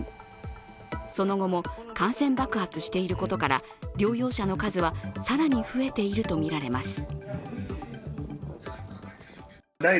その後も感染爆発していることから療養者の数は更に増えているとみられます。